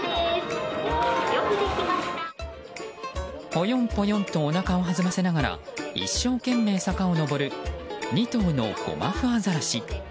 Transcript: ぽよんぽよんとおなかを弾ませながら一生懸命坂を上る２頭のゴマフアザラシ。